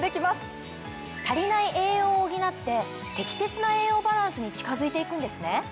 足りない栄養を補って適切な栄養バランスに近づいていくんですね。